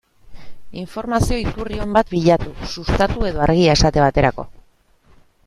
Informazio iturri on bat bilatu, Sustatu edo Argia esate baterako.